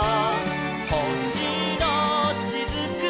「ほしのしずくは」